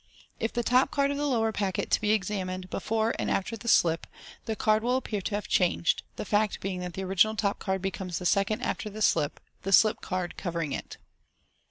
If the top card of the lower packet be examined before and after the slip, the card will appear to have changed, the fact being that the original top card becomes the second after the slip, the slipped card covering it.